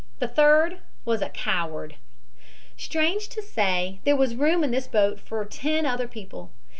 The third was a coward. Strange to say, there was room in this boat for ten other people.